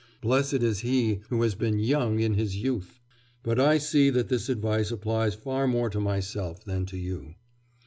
"Blessed is he who has been young in his youth." But I see that this advice applies far more to myself than to you.